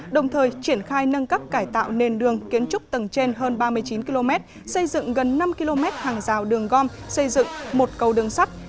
đồng thời triển khai nâng cấp cải tạo nền đường kiến trúc tầng trên hơn ba mươi chín km xây dựng gần năm km hàng rào đường gom xây dựng một cầu đường sắt